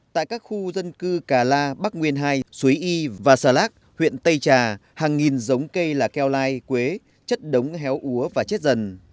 tại các khu dân cư cà la bắc nguyên hai suối y và xà lác huyện tây trà hàng nghìn giống cây là keo lai quế chất đống héo úa và chết dần